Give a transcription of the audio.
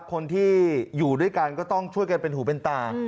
คนที่อยู่ด้วยกันก็ต้องช่วยกันเป็นหูเป็นตา